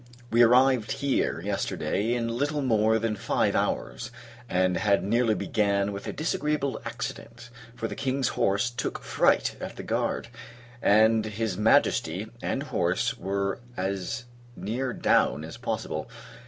We arrived here, yesterday, in little more than five hours, and had nearly began with a disagreeable accident; for the King's horse took fright at the guard, and his Majesty and horse were as near down as possible.